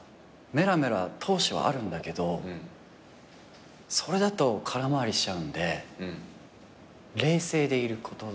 メラメラ闘志はあるんだけどそれだと空回りしちゃうんで冷静でいることですね。